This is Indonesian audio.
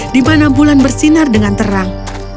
di mana bulan bersinar dengan terang